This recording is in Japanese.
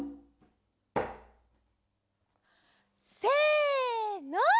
せの！